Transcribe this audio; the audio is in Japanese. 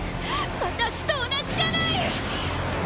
私と同じじゃない！